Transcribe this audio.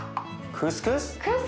クスクス？